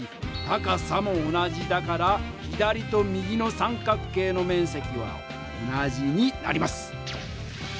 高さも同じだから左と右の三角形の面積は同じになります。